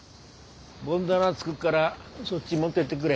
盆棚作っからそっち持っててくれ。